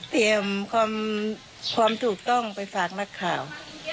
เตรียมความถูกต้องไปฝากนักข่าว